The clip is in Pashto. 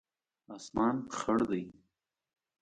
اسمان خړ دی